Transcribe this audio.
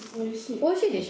おいしいでしょ？